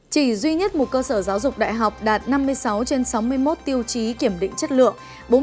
chỉ duy nhất một cơ sở giáo dục đại học đạt năm mươi sáu trên sáu mươi một tiêu chí kiểm định chất lượng